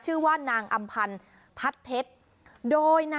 ชื่อว่านางอำพันธิ์พัดเผ็ด